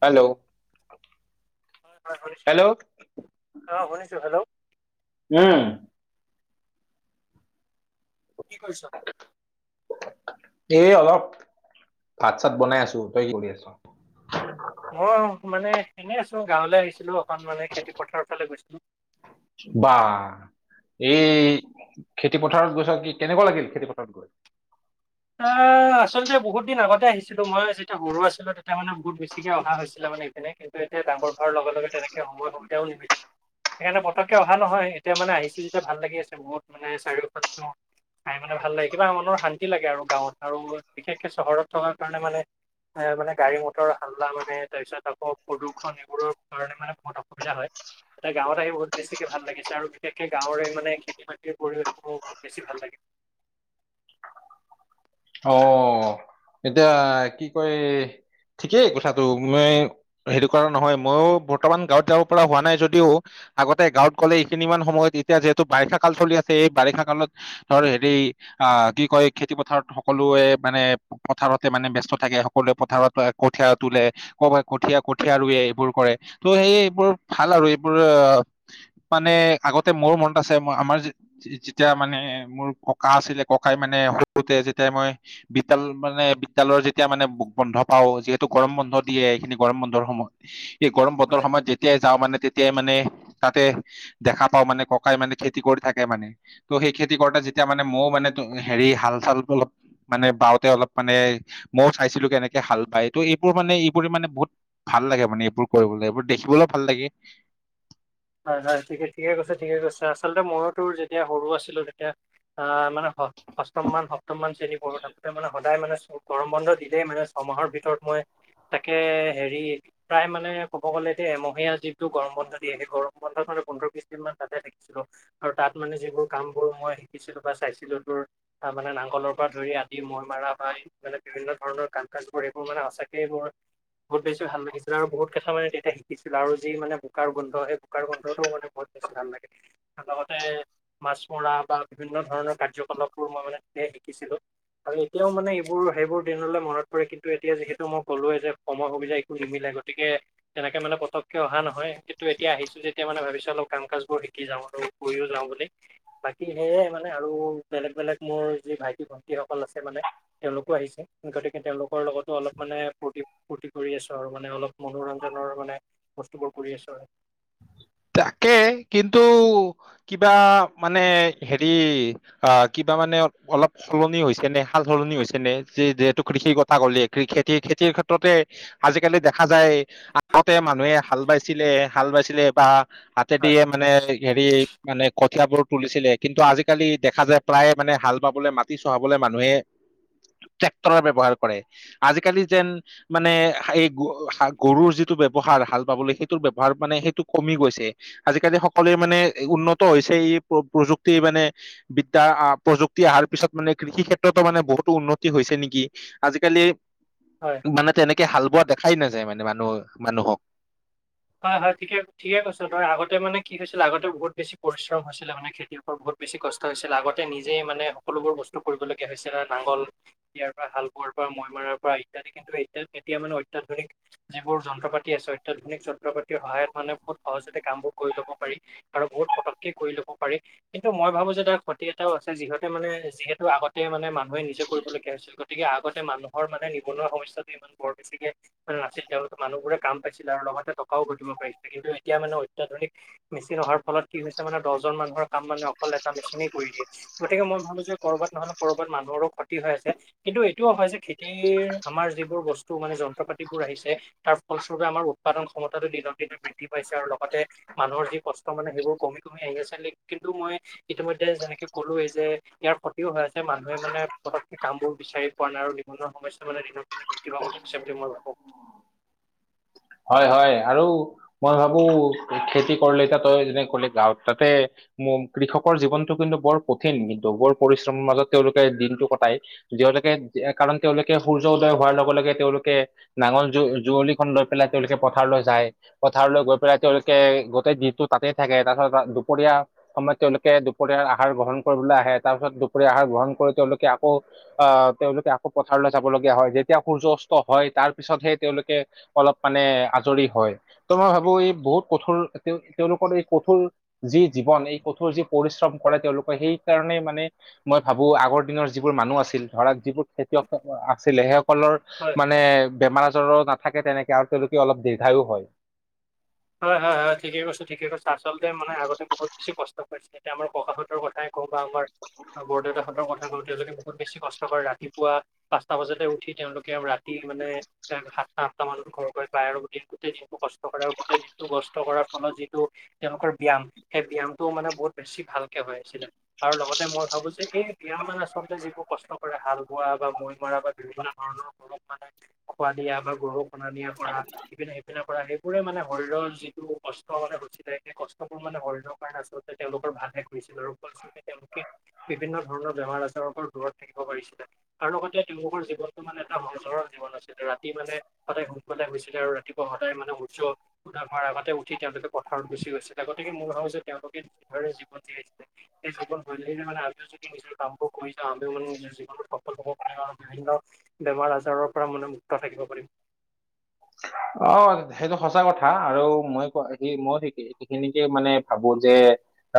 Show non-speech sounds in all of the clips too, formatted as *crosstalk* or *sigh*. Hello হয় শুনিছোঁ hello অঁ শুনিছোঁ হেল্ল' উম কি কৈছ এ অলপ ভাত চাত বনাই আছো তই কি কৰি আছ মই মানে এনেই আছোঁ গাঁৱলৈ আহিছিলোঁ অকণ মানে খেতিপ পথাৰৰ ফালে গৈছিলোঁ বা এই খেতি পথাৰত গৈছ কি কেনেকুৱা লাগিল খেতি পথাৰত গৈ এ আচলতে বহুত দিন আগতে আহিছিলোঁ মই যেতিয়া গৰু আছিলোঁ তেতিয়া মানে বহুত বেছিকৈ অহা হৈছিলে মানে এনে কিন্তু এতিয়া ডাঙৰ হোৱাৰ লগে লগে তেনেকে সময় সুবিধাও নিমিলে সেইকাৰণে পটককৈ অহা নহয় এতিয়া মানেিছোঁ যেতিয়া ভাল লাগি আছে বহুত মানে চাৰিওফাল ন খাই মানে ভাল লাগে কিবা মনৰ শান্তি লাগে আৰু গাঁৱত আৰু বিশেষকে চহৰত থকাৰ কাৰণে মানে এ মানে গাড়ী মটৰ হাল্লা মানে তাৰপিছত আকৌ প্ৰদূষণ এইবোৰৰ কাৰণে মানে বহুত অসুবিধা হয় এতিয়া গাঁৱত আহি বহুত বেছিকে ভাল লাগিছে আৰু বিশেষকে গাঁৱৰে মানে খেতি বাতিৰ পৰিৱেশৰ‌ ওপত বেছি ভাল লাগে অ এতিয়া কি কয় ঠিকেই কথাটো মই সেইটো কৰা নহয় ময়ো বৰ্তমান গাঁৱত যাব পৰা হোৱা নাই যদিও আগতে গাঁৱত গ'লে এইখিনি মমান সময়ত এতিয়া যিহেতু বাৰিষা কাল চলি আছে এই বাৰিষা কালত ধৰ হেৰি আহ, কি কয় খেতি পথাৰত সকলোৱে মানে পথাৰতে মানে ব্যস্ত থাকে, সকলোৱে পথাৰত কঠীয়া তোলে। কম হয় কঠীয়া কঠীয়া ৰুৱে এইবোৰ কৰে, ত' সেই এইবোৰ ভাল আৰু এইবোৰ মানে আগতে মোৰ মনত আছে, মই আমাৰ যেতিয়া মানে মোৰ ককা আছিলে ককাই মানে, সৰুতে যেতিয়া মই বিদ্যালয় মানে বিদ্যালয় যেতিয়া মানে বন্ধ পাওঁ, যিহেতু গৰম বন্ধ দিয়ে, এইখিনি গৰম বন্ধৰ সময়ত এই গৰম হয়। বতৰ সময়ত যেতিয়া তেতিয়াই যাওঁ মানে তেতিয়াই মানে তাতে দেখা পাওঁ, মানে ককাই মানে খেতি কৰি থাকে মানে। ত' সেই খেতি কৰোতে যেতিয়া মানে মইও মানে হেৰি হাল চাল মানে বাওঁতে অলপ মানে মইও চাইছিলো কেনেকে হাল বায়, ত' এইবোৰ মানে এইবোৰে মানে বহুত ভাল লাগে মানে এইবোৰ কৰিবলৈ, এইবোৰ দেখিবলৈও ভাল লাগে। হয় হয়, ঠিকে ঠিকে কৈছা, ঠিকে কৈছা, আচলতে মইও তোৰ যেতিয়া সৰু আছিলোঁ তেতিয়া আহ মানে অষ্টম মান, সপ্তমমান শ্ৰেণী পঢ়ি থাকোতে মানে সদায় মানে চ গৰম বন্ধ দিলেই মানে ছয়মাহৰ ভিতৰত মই, তাকে হেৰি প্ৰায় মানে ক'ব গ'লে দেই, এমহীয়া যিটো গৰম বন্ধ দিয়ে, সেই গৰম বন্ধ পালে পোন্ধৰ বিশ দিন মান তাতে থাকিছিলো। আৰু তাত মানে যিবোৰ কাম বোৰ মই শিকিছিলো বা চাইছিলো তোৰ তাৰ মানে নাঙলৰ পৰা ধৰি আদি মৈ মাৰা মানে বিভিন্ন ধৰণৰ কাম কাজবোৰ, এইবোৰ মানে সঁচাকেই মোৰ বহুত বেছি ভাল লাগিছিল আৰু বহুত কেইথা মানে তেতিয়া শিকিছিল আৰু যি মানে বোকাৰ গোন্ধ সেই, বোকাৰ গোন্ধটো মানে বহুত বেছি ভাল লাগে। লগতে মাছ মৰা বা বিভিন্ন ধৰণৰ কাৰ্যকলাপবোৰ মই মানে তাতে শিকিছিলো। আৰু এতিয়াও মানে এইবোৰ সেইবোৰ দিনলে মনত পৰে কিন্তু, এতিয়া যিহেতু মই ক'লোৱে যে, সময় সুবিধা একো নিমিলে গতিকে, তেনেকে মানে পতকে অহা নহয়, কিন্তু এতিয়া আহিছো। যেতিয়া মানে ভাবিছো অলপ কাম কাজবোৰ শিকি যাওঁ আৰু কৰিও যাওঁ বুলি। বাকী সেয়াই মানে আৰু বেলেগ বেলেগ মোৰ যি ভাইটি ভন্টিসকল আছে মানে, তেওঁলোকো আহিছে, গতিকে তেওঁলোকৰ লগতো অলপ ফূৰ্তি ফূৰ্তি কৰি আছো আৰু, মানে অলপ মনোৰঞ্জনৰ মানে বস্তুবোৰ কৰি আছো আৰু। তাকে কিন্তু কিবা মানে হেৰি, আহ কিবা মানে অলপ সলনি হৈছে নে? সাল সলনি হৈছে নে? যিহেতু কৃষিত আগৰ লেখীয়াকৈ খেতিৰ? খেতিৰ ক্ষেত্ৰতে আজিকালি দেখা যায় আগতে মানুহে হাল বাইছিলে, হাল বাইছিলে বা হাতে হয় দিয়ে মানে হেৰি মানে কঠিয়াবোৰ তুলিছিলে, কিন্তু আজিকালি দেখা যায় প্ৰায়ে মানে হাল বাবলৈ মাটি চহাবলৈ মানুহে ট্ৰেক্টৰৰ ব্যৱহাৰ কৰে। আজিকালি যেন মানে এই গৰুৰ যিটো ব্যৱহাৰ হাল পাবলৈ সেইটো ব্যৱহাৰ মানে সেইটো কমি গৈছে। আজিকালি সকলোৱে মানে উন্নত হৈছে এই প্ৰযুক্তি মানে বিদ্যা প্ৰযুক্তি অহাৰ পিছত মানে কৃষি ক্ষেত্ৰতো মানে বহুতো উন্নতি হৈছে নেকি? আজিকালি হয়। মানে তেনেকে হাল বোৱা দেখাই নাযায় মানে মানুহ মানুহক। হয় হয়। ঠিকে ঠিকে কৈছ তই, আগতে মানে কি হৈছিলে আগতে বহুত বেছি পৰিশ্ৰম হৈছিলে মানে খেতিয়ক। বহুত বেছি কষ্ট হৈছিলে, আগতে নিজে মানে সকলোবোৰ বস্তু কৰিবলগীয়া হৈছিল, নাঙল দিয়াৰ পৰা, শালবোৱাৰ পৰা, মৈমাৰাৰ পৰা ইত্যাদি। কিন্তু এ এতিয়া মানে অত্যাধুনিক যিবোৰ যন্ত্ৰ পাতি আছে, অত্যাধুনিক যন্ত্ৰ পাতিৰ সহায়ত মানে বহুত সহজতে কামবোৰ কৰি ল'ব পাৰি। আৰু বহুত পতককে কৰি ল'ব পাৰি। কিন্তু, মই ভাবোঁ যে, তাৰ ক্ষতি এটাও আছে, যিহেতু মানে, যিহেতু আগতে মানে, মানুহে নিজে কৰিবলগীয়া হৈছিল। গতিকে, আগতে মানুহৰ মানে, নিবনুৱা সমস্যাটো ইমান বৰ বেছিকে মানে, নাছিল। তেওঁলোকে মানুহবোৰে, কাম পাইছিলে আৰু লগতে টকাও ঘটিব পাৰিছিলে। কিন্তু, এতিয়া মানে, অত্যাধুনিক মেচিন অহাৰ ফলত, কি হৈছে মানে, দহজন মানুহৰ কাম মানে, অকল এটা মেচিনেই কৰি দিয়ে। গতিকে, মই ভাবোঁ যে, কৰ'বাত নহ'লে, ক'ৰবাত মানুহৰো ক্ষতি হৈ আছে! কিন্তু, এইটোও হয় যে, খেতিৰ আমাৰ যিবোৰ বস্তু মানে, যন্ত্ৰ-পাতিবোৰ আহিছে। তাৰ ফলস্বৰূপে, আমাৰ উৎপাদন ক্ষমতাটো দিনক দিনে বৃদ্ধি পাইছে আৰু লগতে মানুহৰ যি কষ্ট মানে, সেইবোৰ কমি-কমি আহি আছে। কিন্তু, মই কিন্তু, মই এতিয়া, যেনেকে কলোৱেই যে, ইয়াৰ ক্ষতিও হয় আছে! মানুহে মানে, পতককে কামবোৰ বিচাৰি পোৱা নাই। আৰু নিবনুৱা সমস্যা মানে, দিনক দিনে বৃদ্ধি পাব ধৰিছে বুলি, মই ভাবোঁ! হয়, হয়! আৰু মই ভাবোঁ! খেতি কৰিলে, তই যেনে কে ক'লি গাঁৱত থাকে। কৃষকৰ জীৱনটো কিন্তু, বৰ কঠিন কিন্তু! বৰ পৰিশ্ৰমৰ মাজত তেওঁলোকে দিনটো কটাই। তেওঁলোকে, কাৰণ তেওঁলোকে, সূৰ্য উদয় হোৱাৰ লগে লগে, তেওঁলোকে নাঙল-যুৱলিখন লৈ পেলাই, তেওঁলোকে পথাৰলৈ যায়। পথাৰলৈ গৈ পেলাই তেওঁলোকে, গোটেই দিনটো তাতে থাকে। তাৰপিছত, দুপৰীয়া সময়ত তেওঁলোকে, দুপৰীয়াৰ আহাৰ গ্ৰহণ কৰিবলৈ আহে। তাৰপিছত, দুপৰীয়াৰ আহাৰ গ্ৰহণ কৰি, তেওঁলোকে আকৌ, আঁ তেওঁলোকে আকৌ, পথাৰলৈ যাব লগীয়া হয়। যেতিয়া, সূৰ্য অস্ত হয়। তাৰপিছতহে, তেওঁলোকে অলপ মানে, আজৰি হয়। ত' মই ভাবোঁ, এই বহুত কঠোৰ, তেওঁ তেওঁলোকৰ এই কঠোৰ! যি জীৱন! এই কঠোৰ যি পৰিশ্ৰম কৰে তেওঁলোকে, সেইকাৰণে মানে, মই ভাবোঁ! আগৰ দিনৰ যিবোৰ মানুহ আছিল, ধৰা যিবোৰ, খেতিয়ক আছিলে, সেইসকলৰ হয়! মানে, বেমাৰ-আজাৰো নাথাকে, তেনেকে। আৰু তেওঁলোকে, অলপ দীৰ্ঘায়ো হয়। হয়, হয়, হয়, ঠিকেই কছোঁ, ঠিকেই কছোঁ! আচলতে মানে, আগতে বহুত বেছি কষ্ট। *unintelligible* এতিয়া, আমাৰ ককা হঁতৰ কথাই কওঁ বা আমাৰ বৰ দেউতাহঁতৰ কথা কওঁ, তেওঁলোকে বহুত বেছি কষ্ট কৰে! ৰাতিপুৱা পাঁচটা বজাতে উঠি তেওঁলোকে আৰু ৰাতি মানে, *unintelligible* সাতটা-আঠটা মানত ঘৰৰ গৈ পায় আৰু গোটেই দিনটো কষ্ট কৰে আৰু! গোটেই দিনটো কষ্ট কৰাৰ ফলত যিটো তেওঁলোকৰ ব্যায়াম, সেই ব্যয়ামটোও মানে, বহুত বেছি ভালকে হৈ আছিলে! আৰু লগতে মই ভাবোঁ যে! এই ব্যায়াম মানে, আচলতে যিবোৰ কষ্ট কৰে! হাল-বোৱা বা মৈ-মৰা বা বিভিন্ন ধৰণৰ গৰুক মানে, খোৱা দিয়া বা গৰুক অনা-নিয়া কৰা, ইপিনে-ইপিনে কৰা, সেইবোৰে মানে, শৰীৰৰ যিটো কষ্ট মানে, হৈছিলে! সেই কষ্টবোৰ মানে, শৰীৰৰ কাৰণে, আচলতে তেওঁলোকৰ ভালহে কৰিছিলে আৰু তেওঁলোকে, বিভিন্ন ধৰণৰ বেমাৰ-আজাৰৰ পৰাও দূৰত থাকিব, পাৰিছিলে। আৰু লগতে, তেওঁলোকৰ জীৱনটো মানে, এটা সহজ-সৰল জীৱন আছিলে! ৰাতি মানে, সদায়, সোনকালে শুইছিলে আৰু ৰাতিপুৱা সদায় মানে, সূৰ্য হোৱাৰ আগতে উঠি, তেওঁলোকে পথাৰত গুচি গৈছিলে। গতিকে, মই ভাবোঁ যে, তেওঁলোকে যিদৰে জীৱন জীয়াইছিলে, সেই জীৱন শৈলীৰে মানে, আমিও যদি নিজৰ কামবোৰ কৰি যাওঁ, আমি মানে, নিজৰ জীৱনত সফল হ'ব পাৰিম আৰু বিভিন্ন বেমাৰ-আজাৰৰ পৰা মানে, মুুক্ত থাকিব পাৰিম। অ'! সেইটো সঁচা কথা! আৰু মই কোৱা সেই, মইও ঠিকেই। সেই খিনিকে মানে, ভাবোঁ যে!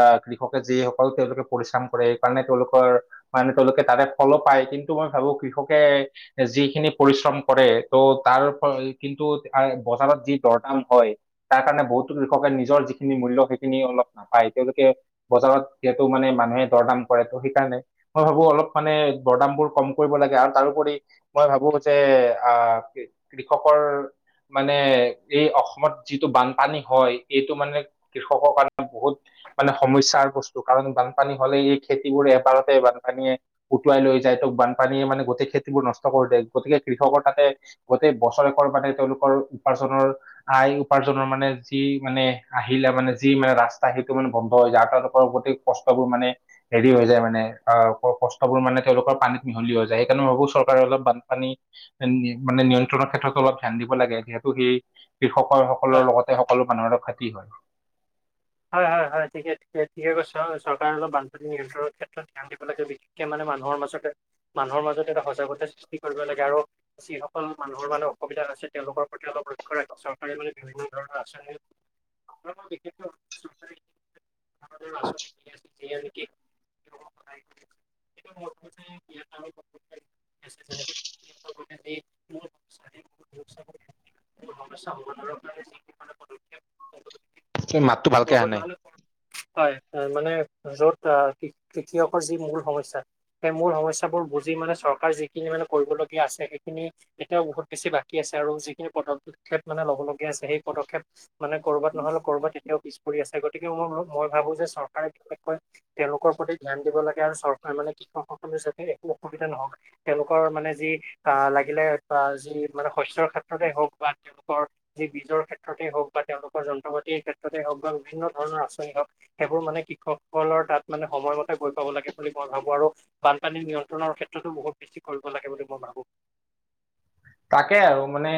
আঁ কৃষকে, যিসকল তেওঁলোকে পৰিশ্ৰম কৰে, সেইকাৰণে, তেওঁলোকৰ মানে, তেওঁলোকে তাতে ফলো পায়। কিন্তু, মই ভাবোঁ কৃষকে, যিখিনি পৰিশ্ৰম কৰে, ত' তাৰ *unintelligible* কিন্তু, *unintelligible* বজাৰত যি দৰ-দাম হয়। তাৰকাৰণে বহুতো কৃষকে, নিজৰ যিখিনি মূল্য, সেইখিনি অলপ নাপায়! তেওঁলোকে, বজাৰত যিহেতু মানে মানুহে দৰ দাম কৰে তো সেইকাৰণে মই ভাবো অলপ মানে দৰদাম বোৰ কম কৰিব লাগে আৰু তাৰোপৰিও মই ভাবো যে আহ কৃষকৰ মানে এই অসমত যিটো বানপানী হয় এইটো মানে কৃষকৰ কাৰণে বহুত মানে সমস্যাৰ বস্তু কাৰণ বানপানী হলে এই খেতিবোৰ এবাৰতে বানপানীয়ে উটুৱাই লৈ যায় তোক বানপানীয়ে মানে গোটেই খেতিবোৰ নষ্ট কৰি দিয়ে গতিকে কৃষকৰ তাতে গোটেই বছৰেকৰ মানে তেওঁলোকৰ উপাৰ্জনৰ আয় উপাৰ্জনৰ মানে যি মানে আহিলা মানে যি মানে ৰাস্তা সেইটো মানে বন্ধ হৈ যায় আৰু তেওঁলোকৰ গোটেই কষ্টবোৰ মানে হেৰি হৈ যায় মানে আহ কষ্টবোৰ মানে তেওঁলোকৰ পানীত মিহলি হৈ যায় সেইকাৰণে ভাবো চৰকাৰে অলপ বানপানী মানে নিয়ন্ত্ৰণৰ ক্ষেত্ৰত অলপ ধ্যান দিব দিব লাগে যিহেতু সেই কৃষকৰ হয় সকলৰ লগতে সকলো মানুহৰ লগতে ক্ষতি হয় হয় হয় হয় ঠিকে ঠিকে কৈছে চৰকাৰে অলপ বানপানী নিয়ন্ত্ৰণৰ ক্ষেত্ৰত ধ্যান দিব লাগে বিশেষ বিশেষকে মানে মানুহৰ মাজত মানুহৰ মাজত এটা সজাগতা সৃষ্টি কৰিব লাগে আৰু যিসকল মানুহৰ মানে অসুবিধা ‌হৈছে তেওঁলোকৰ প্ৰতি অলপ লক্ষ্য ৰাখি চৰকাৰে মানে বিভিন্ন ধৰণৰ আঁচনি অ দেখিছো *unintelligible* *unintelligible* মোৰ সেই কোনো সমস্যা সমাধান কাৰনে যি চুই মাত গৰম ভাল হয় তাৰ‌ মানে যত আহ খেতিয়কৰ যি মূল সমস্যা সেই মূল সমস্যাবোৰ বুজি মানে চৰকাৰ যিখিনি মানে কৰিবলগীয়া আছে সেইখিনি এতিয়াও বহুত বেছি বাকী আছে আৰু যিখিনি পদক্ষেপ মানে ল'বলগীয়া আছে সেই পদক্ষেপ মানে কৰ'বাত নহলেও ক'বাত এতিয়াও পিছ পৰি আছে গতিকে মই মই ভাবো যে চৰকাৰে বিশেষকৈ তেওঁলোকৰ প্ৰতি ধ্যান দিব লাগে আৰু চৰকাৰ মানে কৃষকসকলৰ যাতে একো অসুবিধা নহওঁক তেওঁলোকৰ মানে যি আহ লাগিলে বা যি মানে শস্যৰ ক্ষেত্ৰতে হওঁক বা তেওঁলোকৰ যি বীজৰ ক্ষেত্ৰতে হওঁক বা তেওঁলোকৰ যন্ত্ৰ পাতিৰ ক্ষেত্ৰতে হওঁক বা বিভিন্ন ধৰণৰ আঁচনি হওঁক সেইবোৰ মানে কৃষকসকলৰ তাত মানে সময়মতে গৈ পাব লাগে বুলি মই ভাবো আৰু বানপানী নিয়ন্ত্ৰণৰ ক্ষেত্ৰতো বহুত বেছি কৰিব লাগে বুলি মই ভাবোঁ তাকে আৰু মানে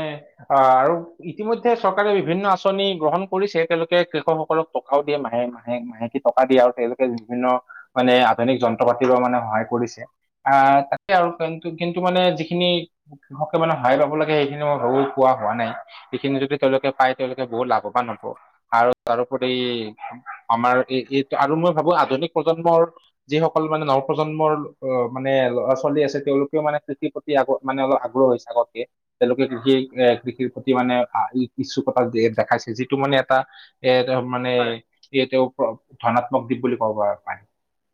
অহ আৰু ইতিমধ্যে চৰকাৰে বিভিন্ন আঁচনি গ্ৰহণ কৰিছে তেওঁলোকে কৃষকসকলক টকাও দিয়ে মাহে মাহে মাহে টকা দিয়ে আৰু তেওঁলোকে বিভিন্ন মানে আধুনিক যন্ত্ৰ পাতিৰো মানে সহায় কৰিছে আহ তাকে আৰু কিন্তু মানে যিখিনি এই মানে সহায় পাব লাগে সেইখিনি মই ভাবো পোৱা হোৱা নাই যিখিনি যদি তেওঁলোকে পায় তেওঁলোকে বহুত লাভৱান হ'ব আৰু তাৰোপৰি আমাৰ এই এই আৰু মই ভাবোঁ আধুনিক প্ৰজন্মৰ যিসকল মানে নৱপ্ৰজন্মৰ অহ মানে ল'ৰা ছোৱালী আছে তেওঁলোকেও মানে কোটিৰপ্ৰতি মানে অলপ আগ্ৰহ হৈছে আগতকে তেওঁলোকে কৃষি এ কৃষিৰ প্ৰতি মানে ইচ্ছুকতা যি দেখাইছে যিটো মানে এটা এ তেওঁ মানে ই তেওঁ ধনাত্মক দ্বীপ বুলি ক'ব পাৰি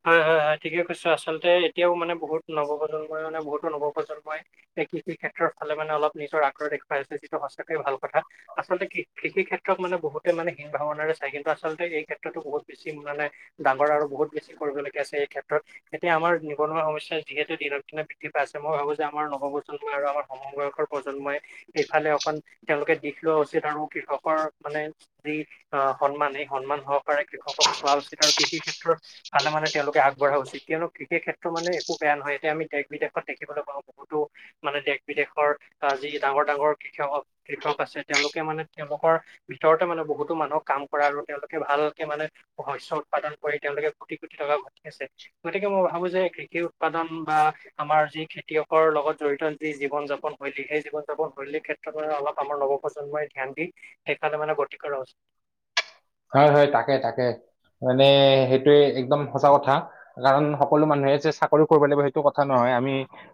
হয় হয় হয় ঠিকে কৈছো আচলতে এতিয়াও মানে বহুত নৱপ্ৰজন্মই মানে বহুতো নৱপ্ৰজন্মই এই কৃষি ক্ষেত্ৰৰ ফালে মানে অলপ নিজৰ আগ্ৰহ দেখুৱাইছে যিটো সঁচাকৈ ভাল কথা আচলতে কৃ‌ কৃষি ক্ষেত্ৰত মানে বহুতে মানে ভীন ভাৱণৰে চায় কিন্তুআচলতে এই ক্ষেত্ৰতো বহুত বেছি মানে ডাঙৰ আৰু বহুত বেছি কৰিবলগীয়া আছে এই ক্ষেত্ৰত। এতিয়া আমাৰ নিবনুৱা সমস্যা যিহেতু দীনক দিনে বৃদ্ধি পাইছে মই ভাবো যে আমাৰ নহব ছো আৰু আমাৰ সমবয়সৰ প্ৰজন্মই সেইফালে অকন তেওঁলোকে দিশ লোৱা উচিত আৰু কৃষকৰ মানে যি আহ সন্মান সেই সন্মান সহকাৰে কৃষকক চোৱা উচিত আৰু কৃষি ক্ষেত্ৰৰ ভালো মানে তেওঁলোকে আগবঢ়া উচিত কিয়নো কৃষ ক্ষেত্ৰ মানে একো বেয়া নহয় এতিয়া আমি দেশ বিদেশত দেখিবলৈ পাওঁ বোতো- মানে দেশ বিদেশৰ আহ যি ডাঙৰ ডাঙৰ কৃষক কৃষক আছে তেওঁলোকে মানে তেওঁলোকৰ ভিতৰতে মানে বহুতো মানুহক কাম কৰা আৰু তেওঁলোকে ভালকে মানে শস্য উৎপাদন কৰি তেওঁলোকে কোটি কোটি টকা ঘটি আছে গতিকে মই ভাবো যে কৃষি উৎপাদন বা আমাৰ যি খেতিয়কৰ লগত জড়িত যি জীৱন যাপন শৈলী সেই জীৱন যাপন শৈলী ক্ষেত অলপ আমাৰ নৱপ্ৰজন্মই ধ্যান দি সেইকাৰণে মানে গতি কৰা উচ হয় হয় তাকে তাকে এনেই সেইটোয়ে একদম সঁচা কথা। কাৰণ সকলো মানুহে যে চাকৰি কৰিব লাগিব সেইটো কথা নহয় আমি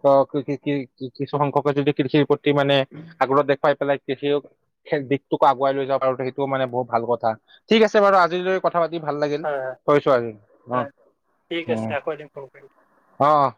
অ কৃষি ষি কিছুসখ্যকে যদি কৃষিৰ প্ৰতি মানে আগ্ৰহ দেখুৱাই পেলাই কৃষি সেই দিশটোকো আগুৱাই লৈ যাওক আৰু সেইটোও মানে বহুত ভাল কথা ঠিক আছে বাৰু আজিলৈ কথা পাতি ভাল লাগিল হয় কৰিছো আজি অঁ হয় ঠিক আছে উম আকৌ এদিন ফোন কৰিম অঁ।